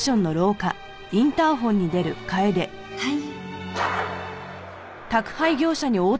はい。